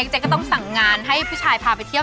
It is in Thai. เจ๊ก็ต้องสั่งงานให้ผู้ชายพาไปเที่ยว